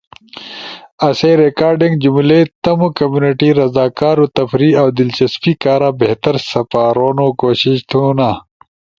آسئی ریکارڈنگ جملئی تمو کمیونٹی رضا کارو تفریح اؤ دلچسپی کارا بہتر سپارونو کوشش تھونا۔